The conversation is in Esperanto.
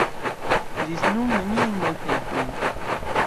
Ĝis nun neniajn malhelpojn.